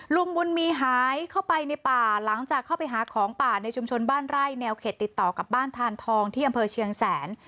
ลุงบุญมีหายเข้าไปในป่าหลังจากเข้าไปหาของป่าในชุมชนบ้านไร่แนวเขตติดต่อกับบ้านทานทองที่อำเภอเชียงแสน